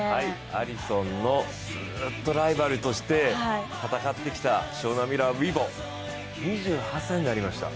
アリソンのずっとライバルとして戦ってきたショーナ・ミラー・ウイボ、２８歳になりました。